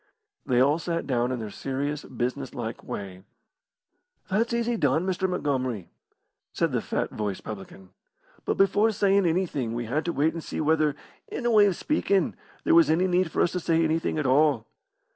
They all sat down in their serious, business like way. "That's easy done, Mr. Montgomery," said the fat voiced publican. "But before sayin' anything we had to wait and see whether, in a way of speakin', there was any need for us to say anything at all.